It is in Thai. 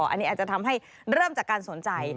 อันนี้อาจจะทำให้เริ่มจากการสนใจ